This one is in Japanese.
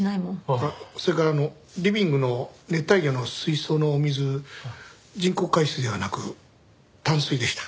それからあのリビングの熱帯魚の水槽のお水人工海水ではなく淡水でした。